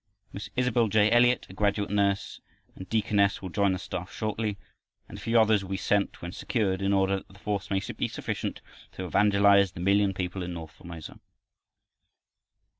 Miss Isabelle J. Elliott, a graduate nurse, and deaconess, will join the staff shortly, and a few others will be sent when secured, in order that the force may be sufficient to evangelize the million people in north Formosa.